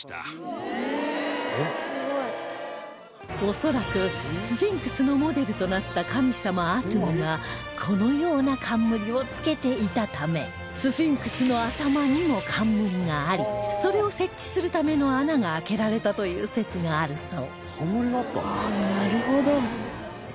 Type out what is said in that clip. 恐らくスフィンクスのモデルとなった神様アトゥムがこのような冠をつけていたためスフィンクスの頭にも冠がありそれを設置するための穴が開けられたという説があるそう